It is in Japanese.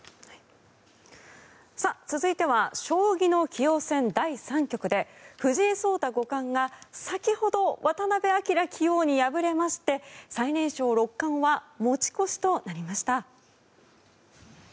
続いては将棋の棋王戦第３局で藤井聡太五冠が先ほど、渡辺明棋王に敗れまして最年少六冠は持ち越しとなりました。